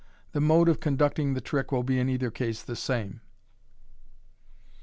The mode of conducting the trick will be in either case the same.